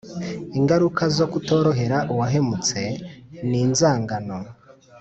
ingaruka zo kutorohera uwahemutse ni inzangano